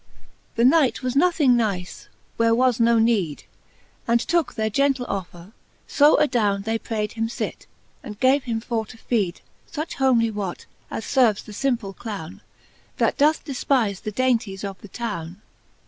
VII. The Knight was nothing nice, where was no need. And tooke their gentle offer : fo adowne They prayd him fit, and gave him for to feed Such homely what, as ferves the fimple clowne, That doth defpife the dainties of the towne.